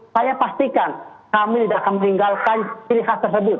saya pastikan kami tidak akan meninggalkan ciri khas tersebut